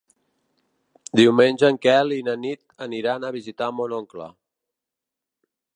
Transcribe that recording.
Diumenge en Quel i na Nit aniran a visitar mon oncle.